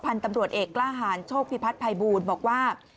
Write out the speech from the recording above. พันธ์ตำรวจเอกล้าหารโชคพิพัฒน์ไพบูนบอกว่า